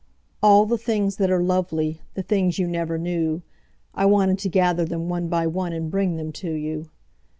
All the things that are lovely—The things you never knew—I wanted to gather them one by oneAnd bring them to you.